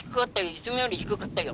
いつもより低かったよ。